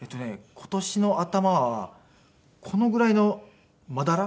今年の頭はこのぐらいの真ダラ？